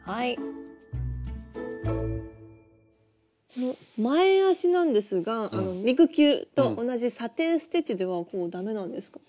この前足なんですが肉球と同じサテン・ステッチではダメなんですか？